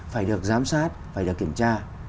phải được giám sát phải được kiểm tra